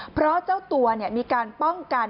เพราะเจ้าตัวมีการป้องกัน